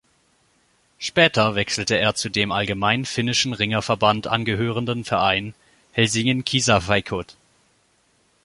Später wechselte er zu dem dem allgemeinen finnischen Ringerverband angehörenden Verein "Helsingin Kisa-Veikot".